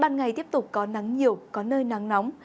ngày tiếp tục có nắng nhiều có nơi nắng nóng